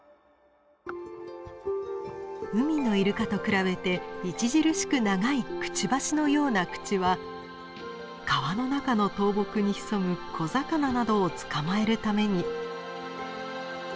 海のイルカと比べて著しく長いくちばしのような口は川の中の倒木に潜む小魚などを捕まえるために。